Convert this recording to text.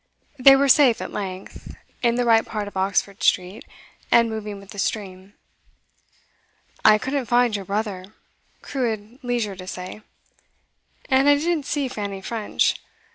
They were safe at length, in the right part of Oxford Street, and moving with the stream. 'I couldn't find your brother,' Crewe had leisure to say; 'and I didn't see Fanny French.